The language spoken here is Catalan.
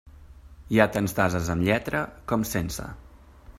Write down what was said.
Hi ha tants d'ases amb lletra, com sense.